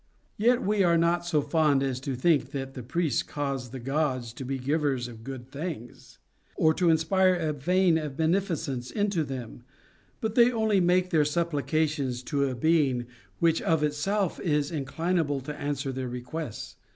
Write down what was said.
Yet we are not so fond as to think that the priests cause the Gods to be givers of good things, or inspire a vein of beneficence into them ; but they only make their suppli cations to a being which of itself is inclinable to answer their requests.